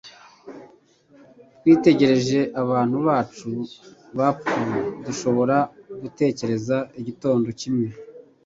Twitegereje abantu bacu bapfuye dushobora gutekereza igitondo kimwe